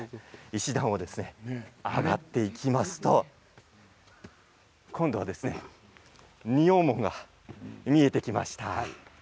石段を上がっていきますと今度は仁王門が見えてきました。